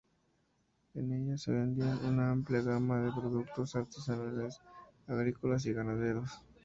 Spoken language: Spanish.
En ella se vendían una amplia gama de productos artesanales, agrícolas y ganaderos.